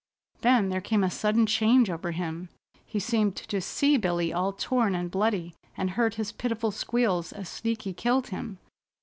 Then there came a sudden change over him. He seemed to see Billy all torn and bloody, and heard his pitiful squeals as Sneaky killed him.